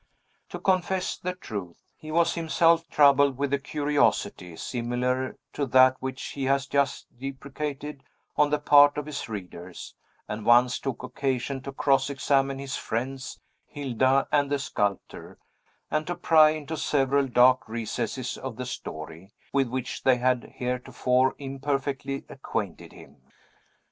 To confess the truth, he was himself troubled with a curiosity similar to that which he has just deprecated on the part of his readers, and once took occasion to cross examine his friends, Hilda and the sculptor, and to pry into several dark recesses of the story, with which they had heretofore imperfectly acquainted him.